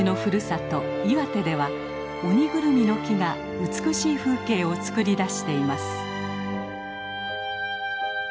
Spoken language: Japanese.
岩手ではオニグルミの木が美しい風景を作り出しています。